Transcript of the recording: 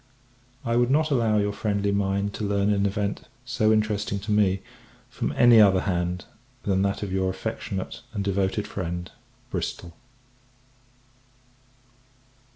I would not allow your friendly mind to learn an event so interesting to me from any other hand than that of your affectionate and devoted friend, BRISTOL.